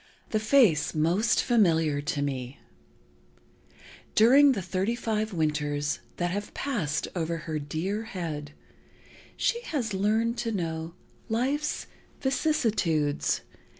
"The Face Most Familiar to Me. During the thirty five winters that have passed over her dear head, she has learned to know life's vicissitudes.